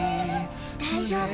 大丈夫。